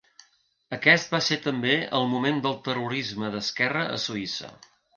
Aquest va ser també el moment del terrorisme d'esquerra a Suïssa.